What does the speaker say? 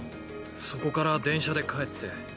そこから電車で帰って。